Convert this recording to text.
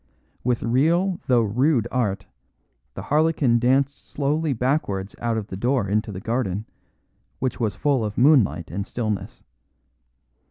With real though rude art, the harlequin danced slowly backwards out of the door into the garden, which was full of moonlight and stillness.